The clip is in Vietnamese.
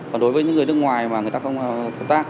còn đối với những người nước ngoài mà người ta không tham tác